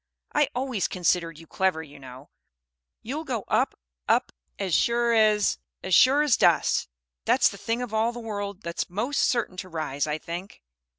I always considered you clever, you know. You'll go up up as sure as, as sure as dust, that's the thing of all the world that's most certain to rise, I think."